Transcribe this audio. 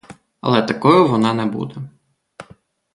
Але не такою вона буде.